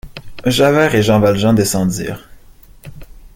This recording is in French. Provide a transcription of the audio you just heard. Javert et Jean Valjean descendirent.